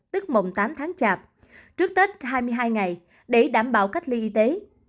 tức mùng tám tháng chạp trước tết hai mươi hai ngày để đảm bảo cách ly y tế